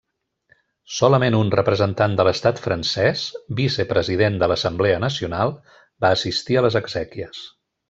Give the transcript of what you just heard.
Solament un representant de l'estat francès, vicepresident de l'Assemblea nacional, va assistir a les exèquies.